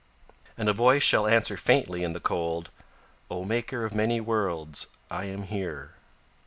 And a voice shall answer faintly in the cold: "O maker of many worlds, I am here."